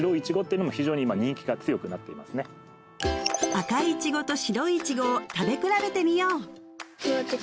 赤いイチゴと白いイチゴを食べ比べてみよう